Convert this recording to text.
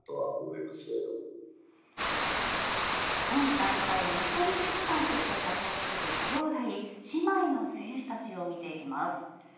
今大会日本選手団として活躍する兄弟・姉妹の選手たちを見ていきます。